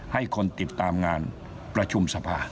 ให้คนติดตามงานประชุมสภา